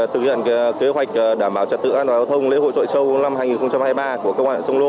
thực hiện kế hoạch đảm bảo trả tự an toàn giao thông lễ hội chọi châu năm hai nghìn hai mươi ba của công an huyện sông lô